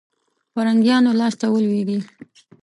فرنګیانو لاسته ولوېږي.